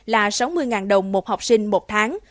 là sáu mươi đồng một học sinh một tháng